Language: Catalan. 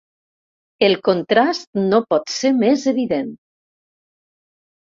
El contrast no pot ser més evident.